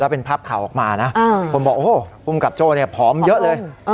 เป็นภาพข่าวออกมานะคนบอกโอ้โหภูมิกับโจ้เนี่ยผอมเยอะเลย